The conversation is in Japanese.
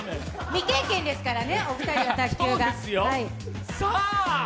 未経験ですからね、お二人は卓球が。